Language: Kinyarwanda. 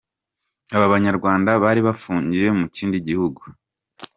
Aba banyarwanda bari bafungiye mukindi gihugu.